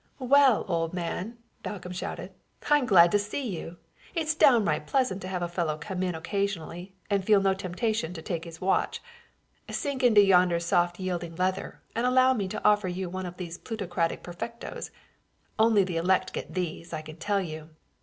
"Well, old man!" Balcomb shouted. "I'm glad to see you. It's downright pleasant to have a fellow come in occasionally and feel no temptation to take his watch. Sink into yonder soft yielding leather and allow me to offer you one of these plutocratic perfectos. Only the elect get these, I can tell you.